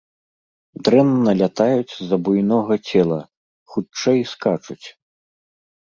Дрэнна лятаюць з-за буйнога цела, хутчэй, скачуць.